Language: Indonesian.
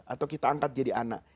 atau kita angkat jadi anak